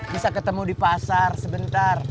bisa ketemu di pasar sebentar